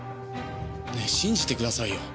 ねえ信じてくださいよ。